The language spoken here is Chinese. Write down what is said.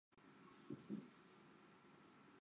雷诺位于内华达州首府卡森城接壤。